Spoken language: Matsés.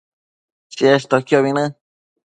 cheshtoquiobi në